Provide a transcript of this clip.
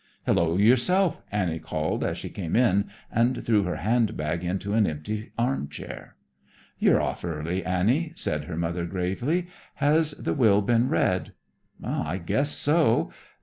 "Hello yourself," Annie called as she came in and threw her handbag into an empty armchair. "You're off early, Annie," said her mother gravely. "Has the will been read?" "I guess so.